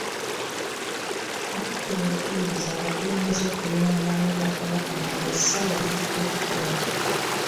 Katikkiro yakubirizza abakulembeze okuli n’Abaami ba Kabaka baagazise abavubuka okukola.